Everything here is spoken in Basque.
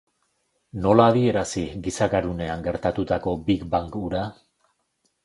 Nola adierazi giza garunean gertatutako big bang hura?